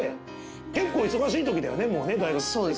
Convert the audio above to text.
結構忙しい時だよねもうね。